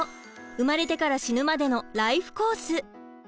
生まれてから死ぬまでのライフコース。